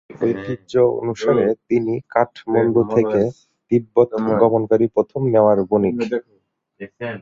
ঐতিহ্য অনুসারে তিনি কাঠমান্ডু থেকে তিব্বত গমনকারী প্রথম নেওয়ার বণিক।